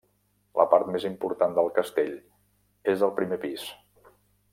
La part més important del castell és el primer pis.